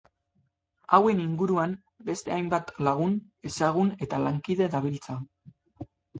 Hauen inguruan, beste hainbat lagun, ezagun eta lankide dabiltza.